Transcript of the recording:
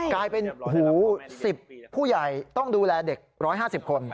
กลายเป็นหู๑๐ผู้ใหญ่ต้องดูแลเด็ก๑๕๐คน